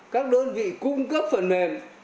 các đơn vị cung cấp phần mềm